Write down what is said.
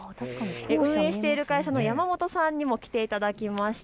運営している会社の山本さんにも来ていただきました。